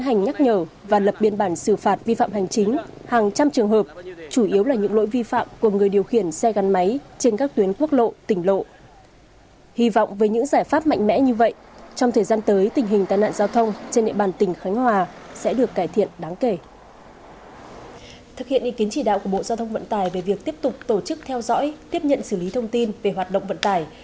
công an quận ba mươi ba cho biết kể từ khi thực hiện chỉ đạo tội phạm của ban giám đốc công an thành phố thì đến nay tình hình an ninh trật tự trên địa bàn đã góp phần đem lại cuộc sống bình yên cho nhân dân